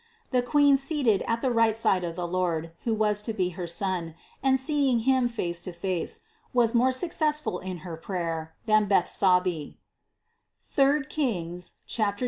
The Queen seat ed at the side of the Lord, who was to be her Son, and seeing Him face to face, was more successful in her prayer than Bethsabee (III Kings, 2, 21).